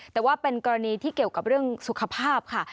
แต่ว่าเป็นกรณีที่เกี่ยวกับเรื่องสุขภาพค่ะ